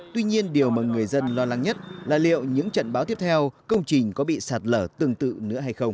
tuy nhiên điều mà người dân lo lắng nhất là liệu những trận báo tiếp theo công trình có bị sạt lở tương tự nữa hay không